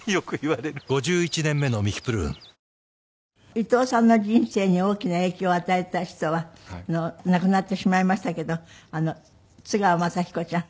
伊藤さんの人生に大きな影響を与えた人は亡くなってしまいましたけど津川雅彦ちゃん。